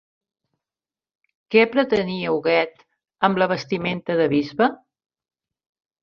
Què pretenia Huguet amb la vestimenta de bisbe?